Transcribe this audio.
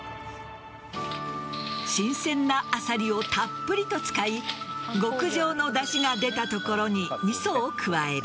新鮮なアサリをたっぷりと使い極上のだしが出たところに味噌を加える。